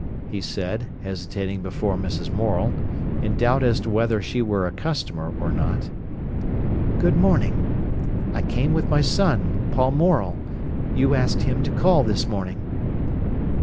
he said, hesitating before Mrs. Morel, in doubt as to whether she were a customer or not. "Good morning. I came with my son, Paul Morel. You asked him to call this morning."